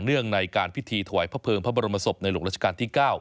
งในการพิธีถวายพระเภิงพระบรมศพในหลวงราชการที่๙